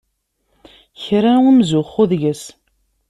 Kra n umzuxxu deg-s!